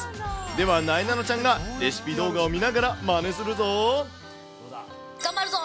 では、なえなのちゃんがレシピ動画を見ながら、マネするぞ。